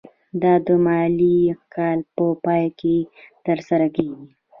دا د مالي کال په پای کې ترسره کیږي.